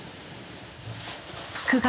９月。